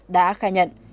đã khai nhận